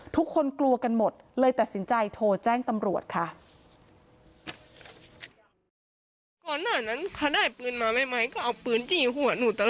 ทุกคนกลัวกันหมดเลยตัดสินใจโทรแจ้งตำรวจค่ะ